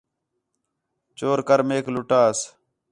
چور کر میک لُٹاس